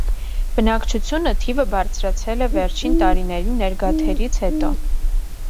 Բնակչությունը թիվը բարձրացել է վերջին տարիների ներգաթերից հետո։